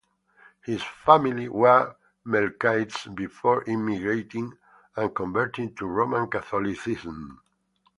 His family were Melkites before immigrating and converting to Roman Catholicism.